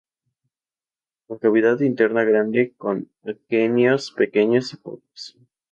Con cavidad interna grande, con aquenios pequeños y pocos.